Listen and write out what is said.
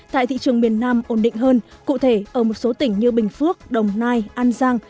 tại thị trường miền nam ổn định hơn cụ thể ở một số tỉnh như bình phước đồng nai an giang